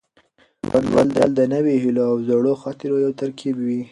ژوند تل د نویو هیلو او زړو خاطرو یو ترکیب وي.